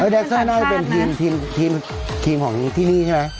แดนเซอร์น่าจะเป็นทีมของที่นี่ใช่ไหม